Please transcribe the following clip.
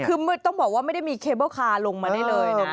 คือต้องบอกว่าไม่ได้มีเคเบิ้ลคาร์ลงมาได้เลยนะ